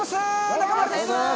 中丸です。